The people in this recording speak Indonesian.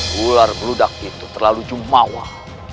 ular beludak itu terlalu jumawah